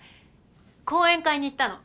講演会に行ったの。